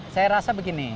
saya rasa begini